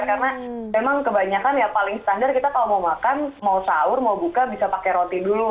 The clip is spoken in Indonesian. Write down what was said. karena memang kebanyakan ya paling standar kita kalau mau makan mau sahur mau buka bisa pakai roti dulu